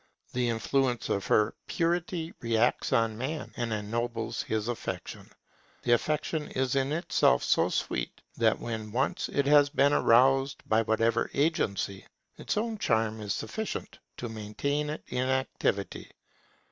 The influence of her purity reacts on man, and ennobles his affection. And affection is in itself so sweet, that when once it has been aroused by whatever agency, its own charm is sufficient to maintain it in activity.